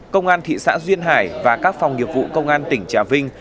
công an thị xã duyên hải và các phòng nghiệp vụ công an tỉnh trà vinh